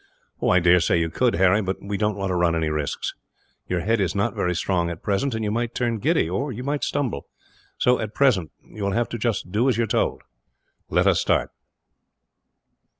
"I dare say you could, Harry; but we don't want to run any risks. Your head is not very strong, at present; and you might turn giddy, or you might stumble. So, at present, you will have just to do as you are told. "Let us start."